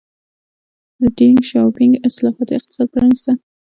د ډینګ شیاوپینګ اصلاحاتو اقتصاد پرانیسته.